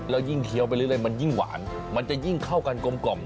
แล้วยิ่งเคี้ยวไปเรื่อยมันยิ่งหวานมันจะยิ่งเข้ากันกลม